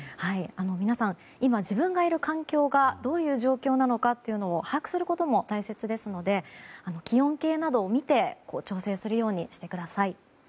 皆さん、今、自分がいる環境がどういう状況なのかを把握することも大切ですので気温計などを見て調整するようにしてください。